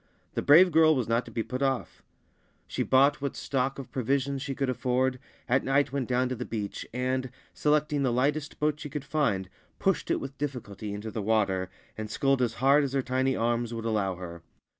The brave girl was not to be put off. She bought what stock of provisions she could afford, at night went down to the beach, and, selecting the lightest boat she could find, pushed it with difficulty into the water, and sculled as hard as her tiny arms would allow her.